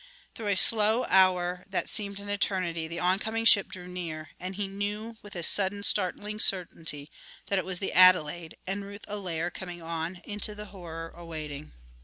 Through a slow hour that seemed an eternity the oncoming ship drew near, and he knew with a sudden, startling certainty that it was the Adelaide and Ruth Allaire coming on, through into the horror awaiting.